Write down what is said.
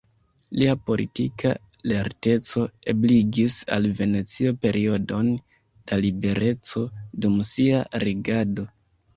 Lia politika lerteco ebligis al Venecio periodon da libereco dum sia regado.